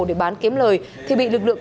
để bán kiếm lời thì bị lực lượng